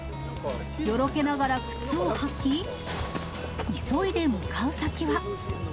よろけながら靴を履き、急いで向かう先は。